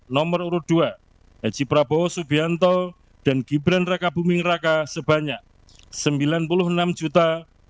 nomor urut dua haji prabowo subianto dan gibran raka buming raka sebanyak sembilan puluh enam dua ratus empat belas enam ratus sembilan puluh satu suara